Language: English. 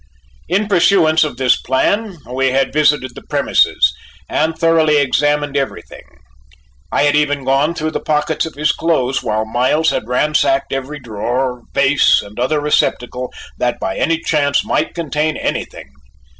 In pursuance of this plan we had visited the premises, and thoroughly examined everything. I had even gone through the pockets of his clothes while Miles had ransacked every drawer, vase, and other receptacle that by any chance might contain anything.